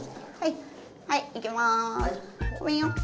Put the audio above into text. はいいきます。